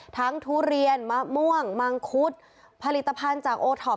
ทุเรียนมะม่วงมังคุดผลิตภัณฑ์จากโอท็อป